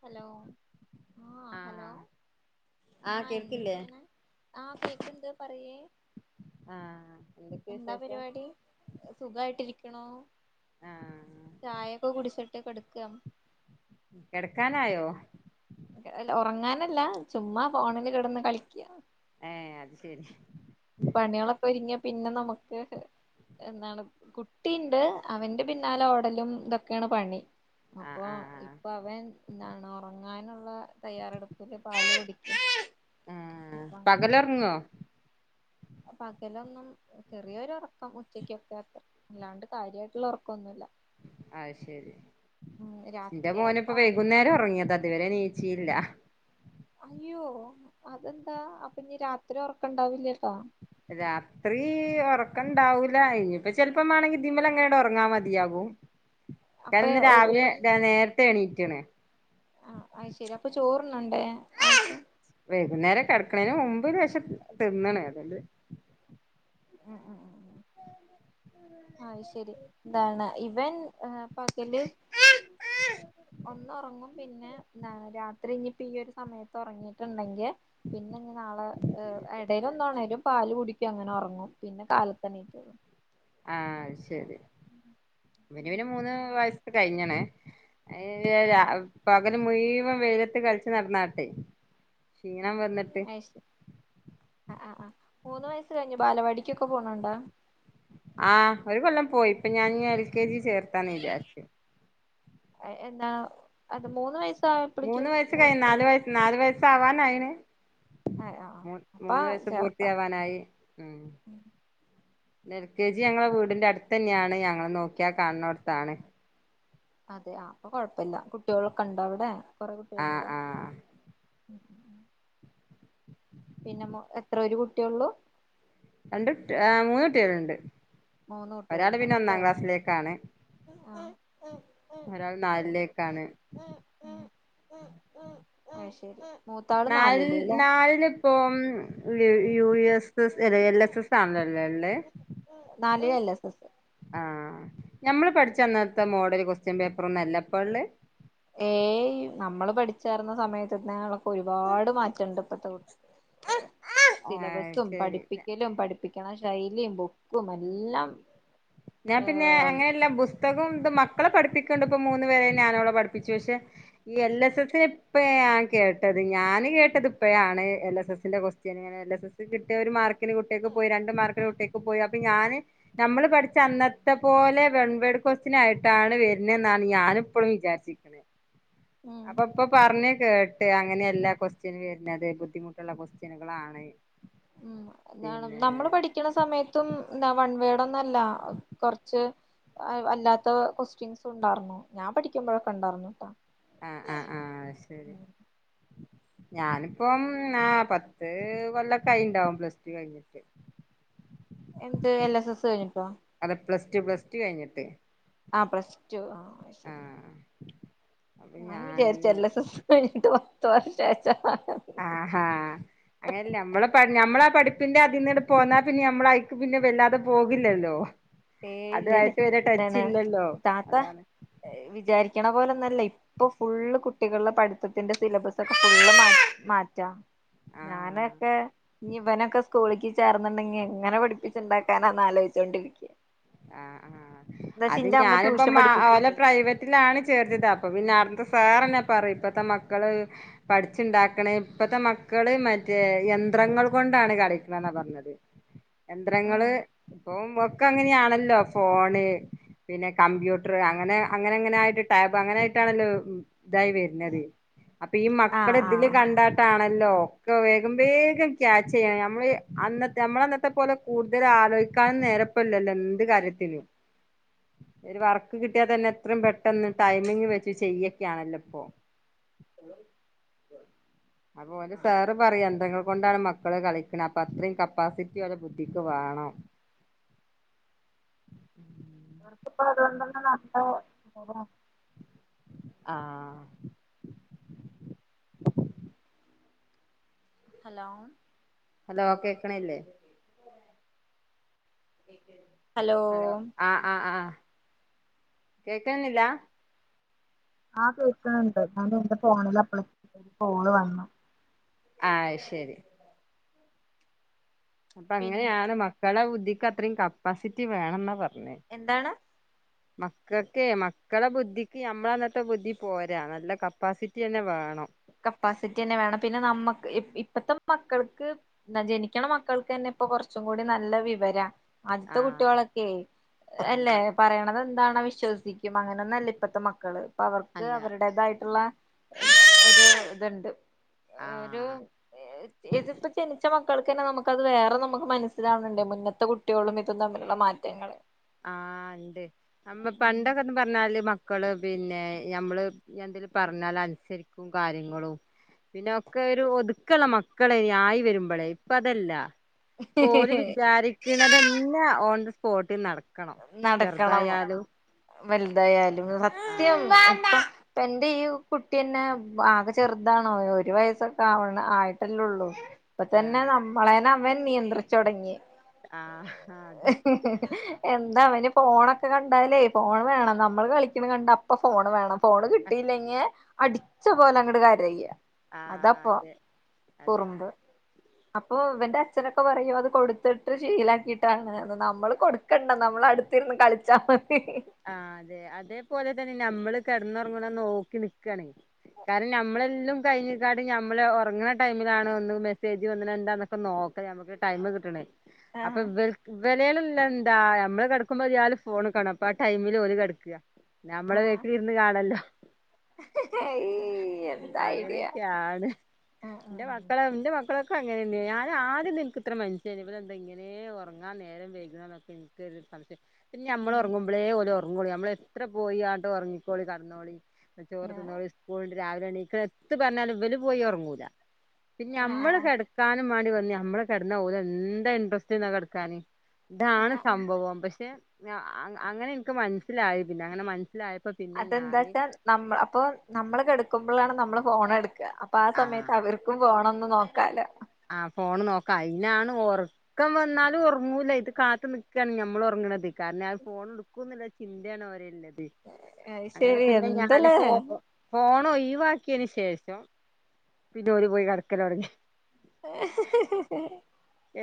Hello ആഹ് hello ആഹ് എന്തൊക്കെയാണ് ആഹ് കേക്കണ്ട് പറയ് ആഹ് എന്തൊക്കെയാ എന്താ വിശേഷം പരിപാടി സുഖായിട്ടിരിക്കു ണോ ആഹ് [unintelligible] ചായയൊക്കെ കുടിച്ചിട്ട് ട്ട് കെടക്കുക [unintelligible] കിടക്കാനായോ ഉറങ്ങാനല്ല ചുമ്മാ ഫോണില് കിടന്ന് കളിക്കുക ഏഹ് അത് ശരി പണികളൊക്കെ ഒരുങ്ങിയാ പിന്നെ നമുക്ക് എന്താണ് കുട്ടീണ്ട് അവന്റെ പിന്നാലെ ഓടലും ഇതൊക്കെയാണ് പണി ആഹ് അപ്പൊ ആഹ് അവൻ എന്താണ് ഉറങ്ങാനുള്ള തയ്യാറെടുപ്പില് പാലൂടി ആഹ് പകല് ഉറങ്ങോ അപ്പൊ പകലൊന്നും ചെറിയൊരു ഉറക്കം ഉച്ചക്കൊക്കെ അത്ര അല്ലാണ്ട് കാര്യമായിട്ടുള്ള ഉറക്കൊന്നുല്ല്യ അത് ശെരി എന്റെ രാത്രി മോന് ഇപ്പോ ഒറങ്ങും വൈകുന്നേരം ഉറങ്ങിയതാ അതുവരെ എണി - [inaudible] ഇല്ല അയ്യോ അതെന്താ അപ്പൊ ഇനി രാത്രി ഉറക്കണ്ടാവില്ലേ ട്ടോ രാത്രി ഉറക്കംണ്ടാവൂല ഇനിയിപ്പ ചെലപ്പോ വേണെങ്കിൽ ഇതിമേല് അങ്ങണ്ട് ഉറങ്ങാ മതിയാകും അപ്പൊ കാരണം ഇന്ന് രാവിലെ ഊണ് നേരത്തെ എണീറ്റാണ് ആഹ് അത്ശരി അപ്പൊ ചോറുണ്ണണ്ടേ വൈകുന്നേരം കിടക്കണേന് മുമ്പ് ലേശം തിന്നണ് അതോണ്ട്- ഉം ഉം ഉം ഉ അത്ശരി ഇതാണ് ഇവൻ ആഹ് പകല് ഒന്ന് ഉറങ്ങും പിന്നെ എന്താ രാത്രി ഇനി ഇപ്പ ഈയൊരു സമയത്ത് ഉറങ്ങിയിട്ടുണ്ടെങ്കിൽ പിന്നഞ്ഞി നാളെ എടേൽ ഒന്നോണരും പാല് കുടി അങ്ങനെ ഉറങ്ങും പിന്നെ കാലത്തെണീക്കുള്ളൂ ആഹ്ശരി വന് പിന്നെ മൂന്ന് വയസ്സ് കഴിഞ്ഞണ് ഉം [unintelligible] പകല് മുഴ്- വെയിലത്ത് കളിച്ചു നടന്നാട്ടെ ക്ഷീണം വന്നിട്ട് അത് ശരി ആഹ് ആഹ് ആഹ് മൂന്ന് വയസ്സ് കഴിഞ്ഞു ബാലവാടികൊക്കെ പോണോണ്ടോ ആഹ ഒരു കൊല്ലം പോയി ഇപ്പൊ ഞാൻ എൽ കെ ജി ചേർത്താന്ന് വിചാരിച് എ എന്നാ അത് മൂന്ന് വയസ്സ് മൂന്ന് വയസ്സ് കൈഞ്ഞ് നാല് വയസ്സ് നാല് വയസ്സ് സ്സാവാനായിണ് ആ ആ മു അപ്പ മൂന്ന് വയസ്സ് ചേർക്കാം പൂർത്തിയാവാനായി ഉം എൽ കെ ജി ഞങ്ങളെ വീടിന്റെ അടുത്ത് തന്നെയാണ് ഞങ്ങള് നോക്യാ കാണുന്നോടത്താണ് അതെ ആ അപ്പൊ കൊഴപ്പില്ല കുട്ടികളൊക്കെ ഉണ്ടോ അവിടെ കൊറേ ആഹ് കുട്ടികളുണ്ടോ ആഹ് പിന്നെ എത്ര ഒരു കുട്ടിയൊള്ളൂ രണ്ട് മൂന്ന് കുട്ടികളുണ്ട് മൂന്ന് ഒരാള് കുട്ടികളുണ്ടോ പിന്നെ അതെ ഒന്നാം ക്ലാസ്സിലേക്കാണ് ഒരാൾ നാലിലേക്കാണ് ആ ശരി മൂത്താള് നാലില് അല്ലേ നാലിലിപ്പോം യു. യു. എസ്. എസ് അല്ല എൽ. എസ്. എസ് ആണല്ലല്ലോല്ലെ നാലില് എൽ. എസ്. എസ് ആഹ് ഞമ്മള് പഠിച്ച അന്നത്ത മോഡല് ക്വ സ്റ്റ്യൻ പേപ്പറൊന്നല്ല ഇപ്പള്ളേ ഏയ് നമ്മള് പഠിച്ചാർന്ന സമയത്ത് അന്നേങ്ങളൊക്കെ ഒരുപാട് മാറ്റണ്ട് ഇപ്പത്ത കു ആഹ് സിലബസും ശരി പഠിപ്പിക്കലും പഠിപ്പി ക്കണ ശൈലീം ബുക്കും എല്ലാം ഞാൻ ഏ പിന്നെ അങ്ങനെല്ല പുസ്തകോം ഇതും മക് മക്കളെ പഠിപ്പിക്കേണ്ടപ്പ മൂന്നു പേരെംഞാനവിടെ പഠപ്പിച്ചു പക്ഷെ. ഈ എൽ. എസ്. എസി ഇപ്പയാ കേട്ടത് ഞാന് കേട്ടത് ഇപ്പഴാണ്. എൽ. എസ്. എസിന്റെ കൊസ്റ്റ്യൻ ഇങ്ങനെ എൽ എസ് എസ് കിട്ടിയ ഒരു മാർ ക്കിന് കുട്ട്യേക്ക് പോയി രണ്ട് മാർക്കിന് കുട്ട്യേക്ക് പോയി അ പ്പം ഞാന് നമ്മള് പഠി ച അന്നത്ത പോലെ വെൺവെട് ക്യുഎസ്ടിയനായിട്ടാണ് വരുന്നെന്നാണ് ഞാനിപ്പളും വിചാരിച്ചി ഉം അപ്പൊ ഇപ്പൊ പറഞ്ഞ് കേ പേ അങ്ങനെയല്ലാ ക്വസ്റ്റ്യൻ വരുന്നത് ബുദ്ധിമുട്ടുള്ള കൊസ്റ്റിനുകളാണ്. ഉം എന്താണ് നമ്മള് പഠിക്കണ സമയത്തും എന്താ വൺവേടും അല്ല കൊർച്ച് അ അല്ലാത്ത കൊസ്റ്റ്യൻസു ഇണ്ടാർന്നു ഞാൻ പഠിക്കുമ്പഴക്ക എണ്ടാർന്നൂട്ടാ. ആഹ് ആഹ് ആഹ് ശരി. ഞാനിപ്പം ആഹ് പത്ത് കൊല്ലക്ക ആയിണ്ടാവും പ്ലസ്ടു കഴിഞ്ഞിട്ട്. എന്ത് എൽ. എസ്. എസ്. കഴിഞ്ഞിട്ടൊ? അത് പ്ലസ്ടു പ്ലസ്ടു കഴിഞ്ഞെട്ട് ആഹ് പ്ലസ്ടു അപ്പൊ ഞാനും ഞാൻ വിചാരിച്ച് എൽ എസ് എസ് [unintelligible] ഇത് പത്ത് വർഷാച്ചാ ആഹാ അങ്ങനല്ല നമ്മളെ നമ്മളെ പഠിപ്പിന്റെ അതീന്ന്ട് പോന്നാ പിന്നെ അമ്മളയ്ക്ക് പിന്നെ വല്ലാതെ പോക് ല്ലല്ലോ. ഏയ് ഇല്ലല്ല ന്താണ് ഇല്ലല്ലോ താത്ത അതാണ് വിചാരി ക്കണ പോലെന്നല്ല ഇപ്പൊ ഫുള്ള് കുട്ടികളുടെ പഠിത്തത്തിന്റെ സിലബസ് ഒക്കെ ഫുള്ള് മാറ്റാ ആ ഞാനൊക്കെ ഇവനൊക്ക സ്കൂളിക്ക് ചേർന്നുണ്ടെങ്കി എങ്ങനെ പഠിപ്പിച്ചുണ്ടാക്കാനാന്ന് ആലോചിച്ചോണ്ടിരിക്ക്യ. ആഹ് ആഹ് അത് അമ്മ ഞാനിപ്പോ ട്യൂഷൻ ഓലെ പഠിപ്പിക്ക്ണ്ട് പ്രൈവറ്റിലാണ് ചേർത്തിത് അപ്പൊ പിന്നെ അടുത്ത് സ് സാറെന്നെ പറ ഇപ്പത്തെ മക്കള് പഠിച്ചിണ്ടാക്കണേ ഇപ്പത്തെ മക്കള് മറ്റേ യന്ത്രങ്ങൾ കൊണ്ടാണ് കളിക്കണെന്നാ പറഞ്ഞത് യന്ത്രങ്ങള് ഇപ്പൊ ഒക്കങ്ങനെയാണ ല്ലോ ഫോണ് പിന്നെ കമ്പ്യൂട്ടറ് അങ്ങനെ അങ്ങനെ അങ്ങനായിട്ട് ടാബ് അങ്ങനൊയിട്ടാണല്ലോ ഉം ഇതായി വരുന്നത് അപ്പ ഈ മക്കള് ആഹ് ഇതില് ആഹ് കണ്ടാട്ടാണ് ല്ലോ ഒക്കെ വേഗം വേഗം ക്യാച്ച് ചെയ്യാ നമ്മള് അന്നത്തെ നമ്മള് അന്നത്തെ പോലെ കൂടുതൽ ആലോയിക്കാനൊന്നു നേരപ്പല്ലല്ലോ. ര് കാര്യത്തിലും. ഒരു വർക്ക് കിട്ടിയാ തന്നെ അത്രയും പെട്ടെന്ന് ടൈമിങ് വെച്ച് ചെയ്യക്കാണല്ലോ ഇപ്പൊ അപ്പോ ഓലെ സാറ് പറയ യന്ത്രങ്ങൾ കൊണ്ടാണ് മക്കള് കളിക്ക്ണെ അപ്പൊ അത്രയും കപ്പാസിറ്റി പോല ബുദ്ധിക്ക് വേണം. അവർക്കിപ്പോ അതുകൊണ്ടന്നെ നല്ല ആ ഹലോ ഹലോ കേക്കണില്ലേ? ഹലോ ആഹ് ആ ആ കേക്കണനില്ല ആഹ കേൾക്കണണ്ട് ഞാൻ എന്റെ ഫോണിൽ അപ്പള ഒരു കോള് വന്നു ആഹ് ശരി അപ്പൊ പിന്നെ അങ്ങനെയാണ് മ മക്കളെ ബുദ്ധിക്ക് അത്രയും കപ്പാസിറ്റി വേണെന്ന പറഞ്ഞു എന്താണ് മക്കൾക്കെ മക്കള ബുദ്ധിക്ക് നമ്മള അന്നത്തെ ബുദ്ധി പോരാ നല്ല കപ്പാസിറ്റി തന്നെ വേണം കപ്പാസിറ്റി തന്നെ വേണം പിന്നെ നമ്മക്ക് ഇപ്പത്തെ മക്കൾക്ക് ജനിക്കണ മക്കൾക്ക് തന്നെ ഇപ്പൊ കുറച്ചും കൂടി നല്ല വിവര ആദ്യത്തെ ആഹ് കുട്ടികളൊക്കെ അല്ലേ അതെ പറയണത് എന്താണോ വിശ്വസിക്കും അങ്ങനൊന്നല്ല ഇപ്പത്തെ മക്കള് അപ്പ അവർക്ക് അല്ല അവരുടേതായിട്ടുള്ള [inaudible] ഇതുണ്ട് ഒരു ആഹ് ഇതിപ്പ ജനിച്ച മ മക്കൾക്ക് ന്നെ നമുക്കത് വേറെ നമുക്ക് മനസ്സിലാവണ്‌ണ്ട്‌ മുന്നത്തെ കുട്ട്യേളും ഇതും തമ്മിലുള്ള മാറ്റങ്ങള് ആഹ ഉണ്ട് നമ്മ പണ്ടൊക്കെന്ന് പറഞ്ഞാല് മ മക്കള് പിന്നെ ഞമ്മള് എന്തെലും പറഞ്ഞാൽ അനുസരിക്കും കാര്യങ്ങളും പിന്നൊക്കെ ഒരു ഒതുക്കള്ള മക്കള ഇനി ആയി വരുമ്പളേ ഇപ്പ അതല്ല പോല്‌ വിചാരിക്കണതന്നെ ഓ സ്പോട്ടി നടക്കും നടക്കണം വലുതായാലും സത്യം ആഹ് ഇപ്പ എന്റെ ഈ കുട്ടിന്നെ ആകെ ചെറുതാണോ ഒരു വയസ്സൊക്കെ ആവണ ആയിട്ടല്ലേള്ളു ഇപ്പ തന്നെ ആഹ് നമ്മളേന അവൻ നിയന്ത്രിച്ചൊട്ങ്ങി ആഹ് അതെ [inaudible] എന്താ അവന് ഫോണൊക്കെ കണ്ടാലേ ഫോൺ വേണം നമ്മൾ കളിക്കണ കണ്ട അപ്പൊ ഫോൺ വേണം ഫോണ് കിട്ടിയില്ലെങ്ങ അടിച്ച പോലെ അങ്ങട് കരയും അതാപ്പ ആഹ് അതെ അതെ കുറുമ്പ് അപ്പൊ വന്റെ അച്ഛനൊക്കെ പറയയും അത് കൊടുത്തിട്ട് ശീലാക്കിട്ട് നമ്മൾ കൊടുക്കണ്ട നമ്മൾ അടുത്തിരുന്ന് കളിച്ചാൽ മതി ആ അതെ അതേപോലെ തന്നെ നമ്മള് കിടന്നുറങ്ങത് നോക്കി നിക്കക്കണെ കാരണം നഞമ്മളെല്ലാം കഴിഞ്ഞക്കാട് ഞമ്മള് ഉറങ്ങണ ടൈമിലാണ് ഒന്ന് മെസ്സേജ് വന്ന എന്താന്നൊക്ക നോക്കാ നമുക്ക് ടൈമ് കിട്ടണേ അപ്പൊ ആഹ് [unintelligible] എന്താ ഞമ്മള് കിടക്കുമ്പോൾ ഇയാൾ ഫോൺകാണം അപ്പ ടൈമിൽ ഓൾകിടക്കുക നമ്മള് ആഹ് വീട്ടിലിരുന്ന് കാണല്ലോ ഏയ് എന്താ ഐഡിയ അങ്ങനെയൊക്കെയാണ് എന്റെ മക്കളെ ആഹ് എന്റെ മക്കളെ അങ്ങന ഞാൻ ആദ്യം നിനക്ക് ഇത്ര മനുഷ്യയി ഇപ്പ എന്താ ഇങ്ങനെ ഉറങ്ങാൻ നേരം വൈകുന്നത് എനക്ക് ഒരു സംശയം പിന്നെ ഞമ്മൾ ഉറങ്ങും പോലെ ഉറങ്ങോളി നമ്മള എത്ര പോയി ആട്ട് ഉറങ്ങിക്കോളി കടന്നോളി ചോറ് തിന്നോളി സ്കൂളില് രാവിലെ എണീക്ക് എത്ത് പറഞ്ഞാലും ഇവല് പോയി ഉറങ്ങൂല പിന്നെ ഞമ്മള് ആഹ് കിടക്കാനും വേണ്ടി വ- നമ്മള് കെടന്നാ ഓള് എന്താ ഇന്ററസ്റ്റാന്നാ കിടക്കാന് ഇതാണ് ആഹ് സംഭവം പക്ഷെ [unintelligible] അങ്ങനെ എനിക്ക് മനസ്സിലായി പിന്നെ അങ്ങനെ മനസിലായ അതെന്താ വച്ചാ നമ്മ അപ്പൊ നമ്മള് കെടക്കുമ്പോഴാണ് നമ്മള് ഫോൺ എടു കില്ല അപ്പൊ ആ ആഹ് സമയത്ത് അവർക്കും പോണം ഒന്ന് നോക്കാലാ ആ ഫോണ് നോക്കാ അയിനാണ് ഓർ ഉറക്കം വന്നാലും ഉറങ്ങൂല ഇത് കാത്തു നിക്കാണ് ഞമ്മൾ ഉറങ്ങണത് കാരണം ഫോൺ എടുക്കുംന്നുള്ള ചിന്തയാണ് അവര് അത് അങ്ങനെ ശരി പിന്നെ ഞാന് എന്തല്ലേ ഫോൺ ഫോണ് ഒഴിവാക്കി യന് ശേഷം പിന്നെ ഓര് പോയി കിടക്കല്ല്തുടങ്ങി [unintelligible]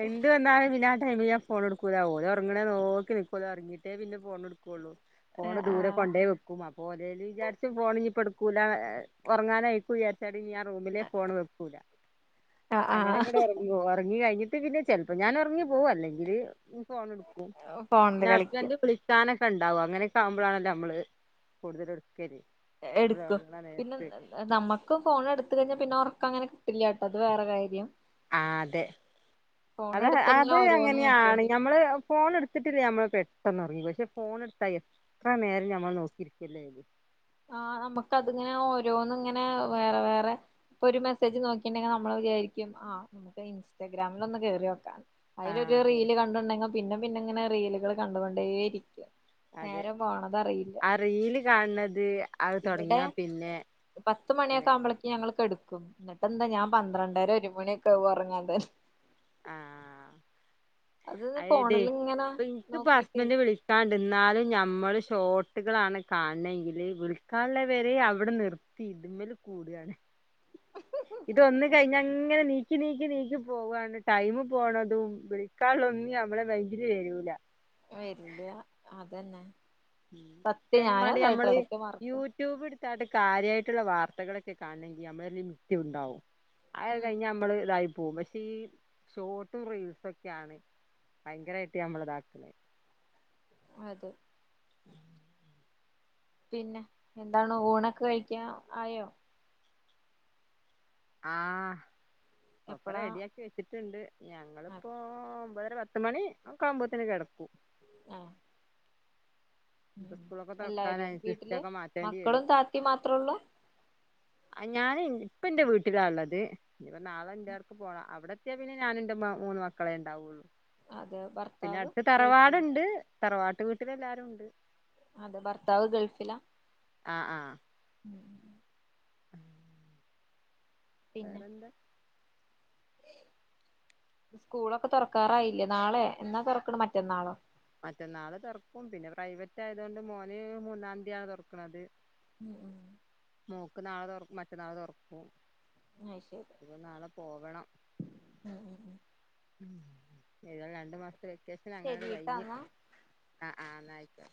എന്ത് വന്നാലും പിന്നെ ആ ടൈമ് ഫോൺ എടുക്കൂലാ ഓൻ ഒറങ്ങണെ നോക്കി നിക്കൂലോ ഇറങ്ങയിട്ടേ പിന്നെ ഫോൺ എടുക്കു കുള്ളൂ ഫോണ് ആ ദൂരെ കൊണ്ടേ വെക്കും അപ്പോ ഒരേര് വിചാരിച്ച് ഫോൺ ഇപ്പോ എടുക്കു ല്ലാ ഉറങ്ങാനയിക്കു വിചാരിച്ചാ പിന്നെ ഞാൻ റൂമിലെ ഫോൺ വെക്കൂലാ ആ ആ അങ്ങനെനങ്ങനെ ഉറങ്ങി കഴിഞ്ഞ് പിന്നെ ചിലപ്പോ ഞാൻ ഉറങ്ങി പോ അല്ലെങ്കിൽ ഫോൺ എടുക്കു ഫോണില് പിന്നെ കളിക്കും ഹസ്ബന്റ് കുളിക്കാന് ക്കെണ്ടാവും അങ്ങനൊക്കെ ആവുമ്പോഴാണല്ലോ അമ്മള് കൂടുതല് എടുക്കും പിന്നെ നമ്മക്കും ഫോൺ എടുത്ത്കഴിഞ്ഞാൽ പിന്നെ ഒർ അങ്ങനെ കിട്ടില്ലാട്ടോ അത് വേറെ കാര്യം ആ അതെ ഫോൺ അത എടുത്തങ്ങനെ അത് ഓരോന്ന് അങ്ങനെയാണ് നോക്കിയോണ്ട് ഞമ്മള് ഫോൺ ഇട്ത്തിട്ടില്ലേ നമ്മള് പെ പെട്ടെന്ന്റങ്ങി പക്ഷെ ഫോൺ ഇടുത്തായി എത്ര നേരം ഞമ്മൾ നോക്കിരിക്കില്ലേ ആ അമ്മക്കതിങ്ങനെ ഓരോന്ന് ഇങ്ങനെ വേറെ വേറെ ഒരു മെസ്സേജ് നോക്കിണ്ടെങ്കിൽ നമ്മള് വിചാരിക്കും ആ നമുക്ക് ഇൻസ്റ്റാഗ്രാമിൽ ഒന്ന് കേറിയോക്കാന്ന് ആ അതിലൊരു അതെ റീല് കണ്ടുണ്ടെങ്കിൽ പിന്നെ പിന്നെ ഇങ്ങനെ റീലുകൾ കണ്ടോണ്ടേയിരിക്കും അതെ ആ റീൽ കാണ്ണത് ഇവിടെ പത്ത് മണിയൊക്കെ അങ്ങനെ ആവുമ്പളേക്ക് ഞാ ങ്ങള് കെട്ക്കും എന്നിട്ടന്താ ഞാൻ പന്ത്രണ്ടര ഒരുമണിയൊക്കെയാവും ഉറങ്ങാന് ആ അത് അയ്തെയ് ഫോണിൽ ഇങ്ങനെ പ്പൊ ഇൻക്ക്പ്പൊ നോക്കിട്ടേ ഹസ്ബന്റ് വിളിക്കാണ്ട്ന്നാലും ഞമ്മള് സൊട്ടുകളാണ് കാണണെങ്കില് വിൽക്കാള്ളവരെ അവടെ നിർത്തി ഇതമ്മൽ കൂടാണ് ഇതൊന്ന് കഴിഞ്ഞ അങ്ങനെ നീക്ക് ച് നീക്കി നീക്കി പോവാണ് ടൈം പോണതും വിളിക്കാളൊന്നും നമ്മളെ മൈന്റിൽ വരൂല വരില്ല അതന്നെ സത്യം ആയിനും ഞാനും അതായിട്ട് വേണ്ടി ഇടക്ക് മറക്കും യൂട്യൂബ്എടുത്തട് കാര്യായി മറ്റുള്ള വാർത്തകളൊക്കെ കാണെങ്കിൽ നമ്മളൊരു ലിമിറ്റുണ്ടാവും അയാത് ഉം കഴിഞ്ഞ നമ്മള് ഇതായി [unintelligible] ഷോർട്ടും റീൽസൊക്കെയാണ് ഭയങ്കരായിട്ട് നമ്മള ഇതാക്ക്ണെ അതെ പിന്നെ എന്താണ് ഊണൊക്കെ കഴിക്കാൻ ആയോ ആ ഒക്കെ എപ്പളാ റെഡിയാക്കി വെച്ചിട്ട്ണ്ട് നങ്ങളിപ്പോ ഒമ്പതാം പത്ത് മണി ക്കെ ആവുമ്പത്തേന് കെടക്കും അ ഇപ്പ സ്കൂളൊക്കെ എല്ലാരും തുറക്കാനായി വീട്ടില് സിസ്റ്റൊക്കെ മാറ്റേണ്ടി മക്കളും താത്തിം മാത്രൊള്ളു ആ ഞാന് ഇപ്പ എൻറെ വീട്ടിലാ ഉള്ളത് ഇപ്പ നാളെ എൻ്റെവിടെക്ക് പോണം അവിടെ എത്തിയാ പിന്നെ ഞാനും എൻ്റെ മൂന്ന് മക്കളെ ഉണ്ടാവുള്ളു അതെ പിന്നെ ഭർത്താവ് അടുത്തു ഗൾഫില് തറവാടുണ്ട് തറവാട്ട് വീട്ടിൽ എല്ലാരും ഉണ്ട് അതെ ഭർത്താവ് ഗൾഫിലാ ആ ആ ഉം പിന്നെ വേറെന്താ സ്കൂളൊക്കെ തുറക്കാറായില്ലേ നാളെ എന്നാ തുറക്കണെ മറ്റന്നാളോ മറ്റന്നാള് തുറക്കും പിന്നെ പ്രൈവറ്റ് ആയതു കൊണ്ട് മോന് മൂന്നാംന്തിയ തുറക്കണത് ഉം ഉ മോക്ക് നാളെ തുറക്കും മറ്റന്നാളെ തുറക്കും അയ് ശരി ഇനി നാളെ പോകണം ഉം ഉം ഉം ഉം ഏതാലും രണ്ട് മാസത്തെ വെ വെക്കേഷൻ അങ്ങനങ്ങോട്ടു ശരിട്ടാ കഴിഞ്ഞു എന്നാ അ ആ എന്നാ ആയിക്കേട്ടെ